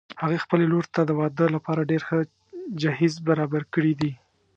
هغې خپلې لور ته د واده لپاره ډېر ښه جهیز برابر کړي دي